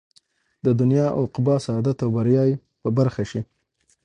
د دنيا او عقبى سعادت او بريا ئې په برخه شي